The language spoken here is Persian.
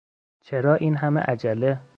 چرا این همه عجله؟